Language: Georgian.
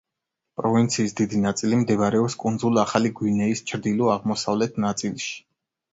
პროვინციის დიდი ნაწილი მდებარეობს კუნძულ ახალი გვინეის ჩრდილო-აღმოსავლეთ ნაწილში.